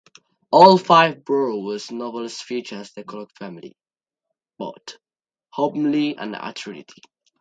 All five "Borrowers" novels feature the Clock family; Pod, Homily and Arrietty.